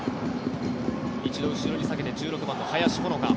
一度後ろに下げて１６番の林穂之香。